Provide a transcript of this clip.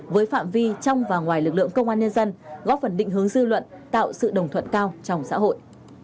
với phạm vi trong và ngoài lực lượng công an nhân dân góp phần định hướng dư luận tạo sự đồng thuận cao trong xã hội